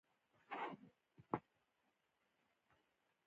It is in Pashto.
احمد یو مهربانه او خواخوږی ملګری